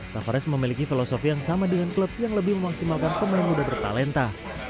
tavares memiliki filosofi yang sama dengan klub yang lebih memaksimalkan pemain muda bertalenta